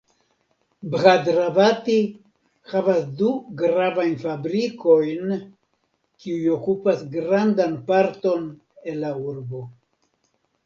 Bhadravati havas du gravajn fabrikojn kiuj okupas grandan parton el la urbo.